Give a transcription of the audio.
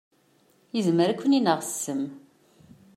Izmer ad ken-ineɣ ssem.